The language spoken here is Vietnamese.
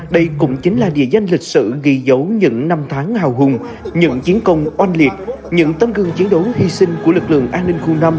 đây cũng chính là địa danh lịch sử ghi dấu những năm tháng hào hùng những chiến công oanh liệt những tấm gương chiến đấu hy sinh của lực lượng an ninh khu năm